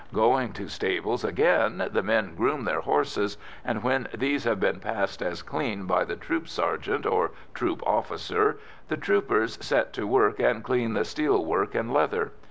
Going to stables again, the men groom their horses, and when these have been passed as clean by the troop sergeant or troop officer the troopers set to work and clean steel work and leather.